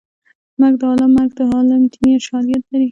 مرګ د عالم مرګ د عالم دیني شالید لري